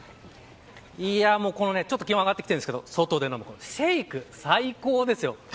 今、気温上がってきてるんですが外で飲むシェイク最高ですよ。